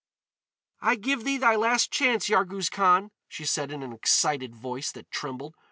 "I give thee thy last chance, Yarghouz Khan," she said in an excited voice that trembled.